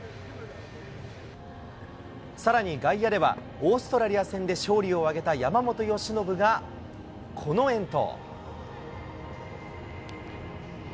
さらに外野では、オーストラリア戦で勝利を挙げた山本由伸がこの遠投。